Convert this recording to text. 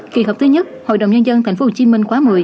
kỳ họp thứ nhất hội đồng nhân dân thành phố hồ chí minh khóa một mươi